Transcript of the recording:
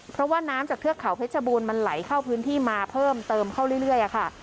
เพราะว่าน้ำจากเทือกเขาเพชรบูรณมันไหลเข้าพื้นที่มาเพิ่มเติมเข้าเรื่อยค่ะ